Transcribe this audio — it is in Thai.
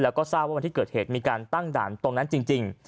แล้วก็ทราบว่าวันที่เกิดเหตุมีการตั้งด่านตรงนั้นจริง